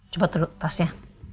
coba duduk tasnya